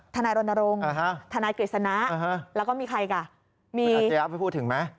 ทนายรณรงค์ทนายกฤษณะแล้วก็มีใครกะมีคุณอาชญาไปพูดถึงไหม